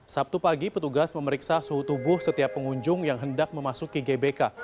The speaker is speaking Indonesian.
sabtu pagi petugas memeriksa suhu tubuh setiap pengunjung yang hendak memasuki gbk